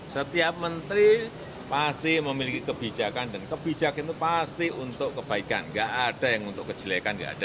setiap menteri pasti memiliki kebijakan dan kebijakan itu pasti untuk kebaikan gak ada yang untuk kejelekan nggak ada